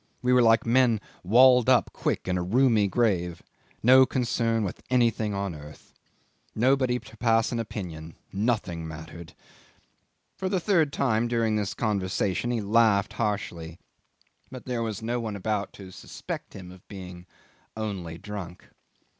We were like men walled up quick in a roomy grave. No concern with anything on earth. Nobody to pass an opinion. Nothing mattered." For the third time during this conversation he laughed harshly, but there was no one about to suspect him of being only drunk.